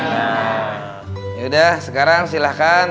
yaudah sekarang silahkan